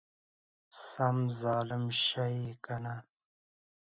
سم ظالم شې يې کنه!